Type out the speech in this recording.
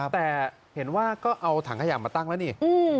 แต่เห็นว่าก็เอาถังขยะมาตั้งแล้วนี่